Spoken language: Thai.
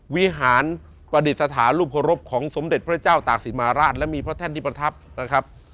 วิหารปฏิสถาลูกพรบคลองสมเด็จพระเจ้าตากศิริมาราชและมีเพราะแท่นดิประทับ